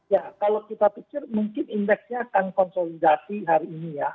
ya kalau kita pikir mungkin indeksnya akan konsolidasi hari ini ya